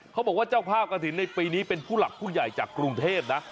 เขาบอกว่าเจ้าภาพกระถิ่นในปีนี้เป็นผู้หลักผู้ใหญ่จากกรุงเทพนะ